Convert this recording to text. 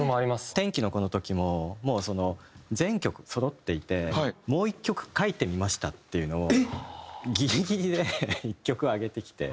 『天気の子』の時ももう全曲そろっていて「もう１曲書いてみました」っていうのをギリギリで１曲上げてきて。